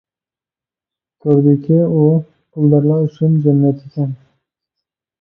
كۆردىكى، ئۇ پۇلدارلار ئۈچۈن جەننەت ئىكەن.